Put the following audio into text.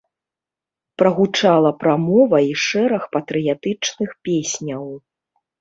Прагучала прамова і шэраг патрыятычных песняў.